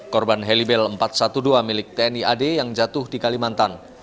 korban helibel empat ratus dua belas milik tni ad yang jatuh di kalimantan